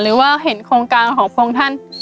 หรือว่าเห็นโครงการของพวกท่าน